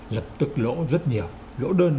lập tức lỗ rất nhiều lỗ đơn